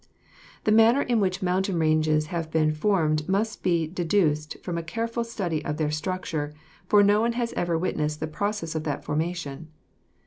The manner in which mountain ranges have been formed must be deduced from a careful study of their structure, for no one has ever witnessed the process of that formation.